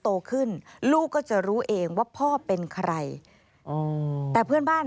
โตขึ้นลูกก็จะรู้เองว่าพ่อเป็นใครแต่เพื่อนบ้าน